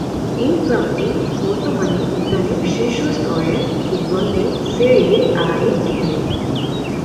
এই ক্লাবটি বর্তমানে ইতালির শীর্ষ স্তরের ফুটবল লীগ সেরিয়ে আ-এ খেলে।